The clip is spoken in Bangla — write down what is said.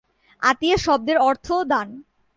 আতিয়া শব্দের অর্থও দান।